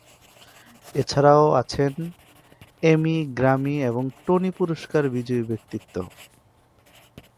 এছাড়াও আছেন Emmy, Grammy, এবং টনি পুরস্কার বিজয়ী ব্যক্তিত্ব।